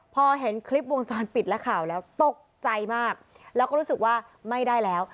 พอเห็นคลิปวงจรปิดและข่าวแล้วตกใจมากแล้วก็รู้สึกว่าไม่ได้แล้ว